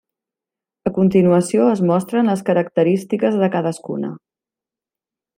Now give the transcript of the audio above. A continuació es mostren les característiques de cadascuna.